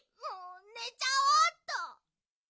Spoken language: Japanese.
ねちゃおうっと！